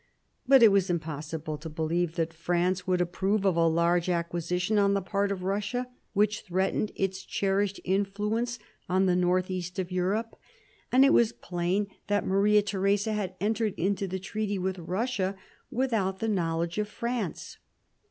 But it was impossible to believe that France would approve of a large acquisition on the part of Eussia, which threatened its cherished influence on the north east of Europe; and it was plain that Maria Theresa had entered into the treaty with Eussia without the knowledge of France.